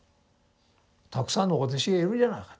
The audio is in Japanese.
たくさんのお弟子がいるじゃないか。